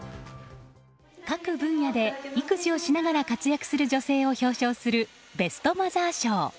各分野で育児をしながら活躍する女性を表彰するベストマザー賞。